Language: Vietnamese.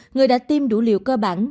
người đã tiêm đủ liều cơ bản